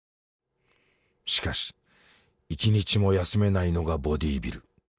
しかし一日も休めないのがボディビル。